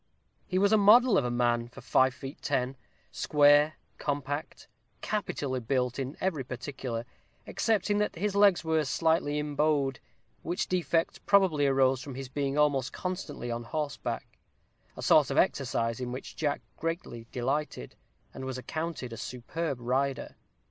He was a model of a man for five feet ten; square, compact, capitally built in every particular, excepting that his legs were slightly imbowed, which defect probably arose from his being almost constantly on horseback; a sort of exercise in which Jack greatly delighted, and was accounted a superb rider.